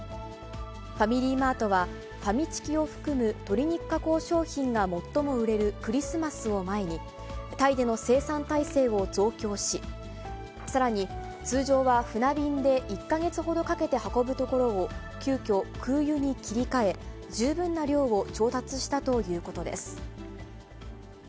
ファミリーマートは、ファミチキを含む、鶏肉加工商品が最も売れるクリスマスを前に、タイでの生産体制を増強し、さらに通常は船便で１か月ほどかけて運ぶところを、急きょ、空輸に切り替え、十分な量を調達したということです。